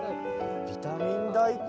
ビタミン大根。